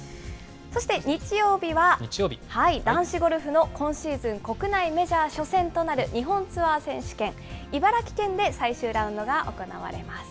そして日曜日は、男子ゴルフの今シーズン国内メジャー初戦となる、日本ツアー選手権、茨城県で最終ラウンドが行われます。